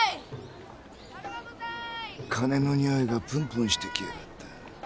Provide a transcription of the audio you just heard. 金のにおいがぷんぷんしてきやがった。